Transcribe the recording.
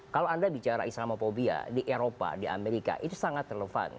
kalau anda bicara islamophobia di eropa di amerika itu sangat relevan